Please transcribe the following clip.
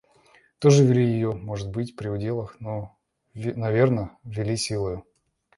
Тоже ввели ее, может быть, при уделах, но, наверно, ввели силою.